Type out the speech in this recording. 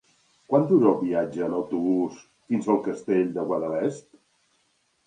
Quant dura el viatge en autobús fins al Castell de Guadalest?